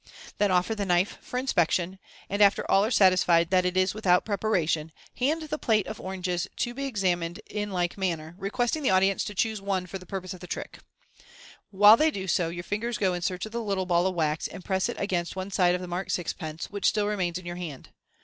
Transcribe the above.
Then offer the knife for inspection, and after all are satisfied that it is without pre paration, hand the plate of oranges to be examined in like manner, requesting the audience to choose one for the purpose of the trick While they do so, your fingers go in search of the little ball of wax, and press it against one side of the marked sixpence, which still remains in your hand.